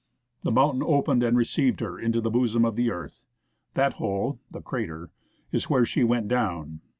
The mountain opened and received her into the bosom of the earth. That hole (the crater) is where she went down.